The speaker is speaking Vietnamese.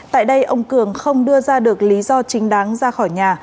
tại đây ông cường không đưa ra được lý do chính đáng ra khỏi nhà